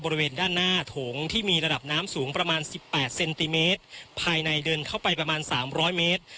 บริเวณด้านหน้าโถงที่มีระดับน้ำสูงประมาณสิบแปดเซนติเมตรภายในเดินเข้าไปประมาณสามร้อยเมตร